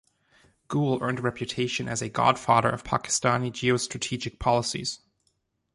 Gul earned a reputation as a "Godfather" of Pakistani geostrategic policies.